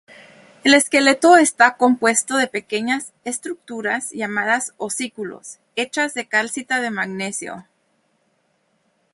El esqueleto está compuesto de pequeñas estructuras llamadas osículos, hechas de calcita de magnesio.